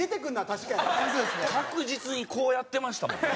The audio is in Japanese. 確実にこうやってましたもんね。